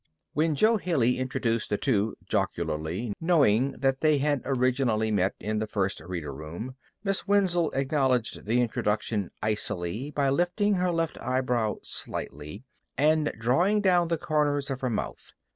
When Jo Haley introduced the two jocularly, knowing that they had originally met in the First Reader room, Miss Wenzel acknowledged the introduction icily by lifting her left eyebrow slightly and drawing down the corners of her mouth.